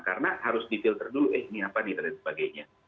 karena harus di filter dulu eh ini apa nih dan sebagainya